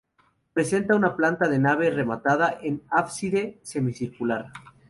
Presenta una planta de nave rematada en ábside semicircular.